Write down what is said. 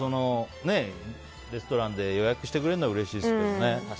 レストランで予約してくれるのはうれしいですけどね。